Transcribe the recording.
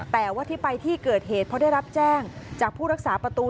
แต่ว่าที่ไปที่เกิดเหตุเพราะได้รับแจ้งจากผู้รักษาประตู